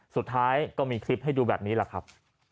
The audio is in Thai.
สุดท้ายก็มีคลิปให้ดูแบบนี้แหละครับ